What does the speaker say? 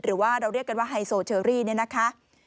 หรือว่าเราเรียกกันว่าไฮโซเชอรี่เนี่ยนะคะ